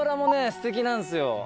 すてきなんすよ。